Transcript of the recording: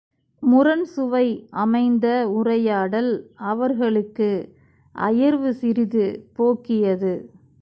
முரண்சுவை அமைந்த உரையாடல் அவர்களுக்கு அயர்வு சிறிது போக்கியது.